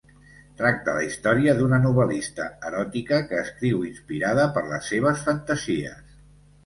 Tracta la història d'una novel·lista eròtica que escriu inspirada per les seves fantasies.